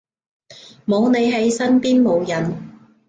冇你喺身邊冇癮